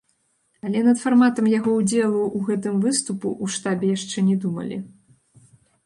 Але над фарматам яго ўдзелу ў гэтым выступу ў штабе яшчэ не думалі.